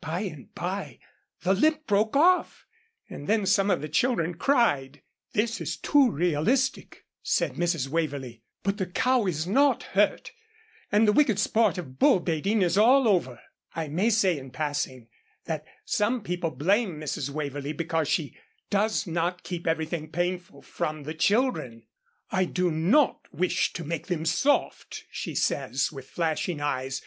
Bye and bye, the lip broke off, and then some of the children cried. "This is too realistic," said Mrs. Waverlee, "but the cow is not hurt, and the wicked sport of bull baiting is all over." I may say, in passing, that some people blame Mrs. Waverlee because she does not keep everything painful from the children. "I do not wish to make them soft," she says with flashing eyes.